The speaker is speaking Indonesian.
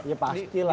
ya pasti lah